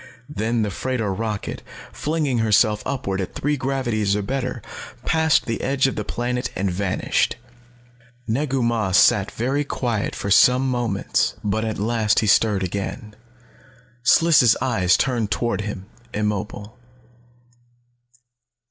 Then the freighter rocket, flinging herself upward at three gravities or better, passed the edge of the planet and vanished. Negu Mah sat very quiet for some moments. But at last he stirred again. Sliss' eyes turned toward him, immobile.